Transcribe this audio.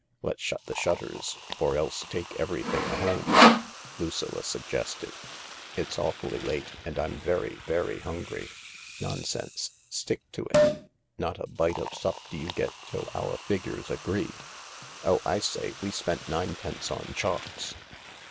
"Let's shut the shutters or else take everything hopie/' Lucilla suggested. "It's awfully late, and I'm very, very hungry." " Nonsense— stick to it ! Not a bite or sup do you get till our figures agree. Oh, I say— we spent ninepence on chocs.